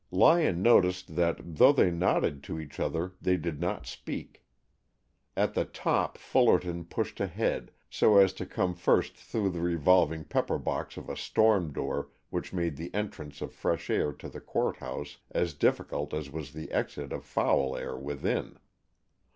Lyon noticed that though they nodded to each other they did not speak. At the top Fullerton pushed ahead so as to come first through the revolving pepperbox of a storm door which made the entrance of fresh air to the Court House as difficult as was the exit of foul air within.